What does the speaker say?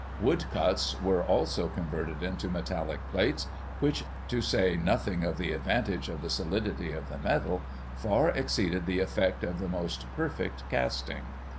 Wood cuts were, also, converted into metallic plates, which, to say nothing of the advantage of the solidity of the metal, far exceeded the effect of the most perfect casting.